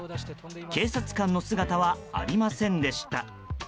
警察官の姿はありませんでした。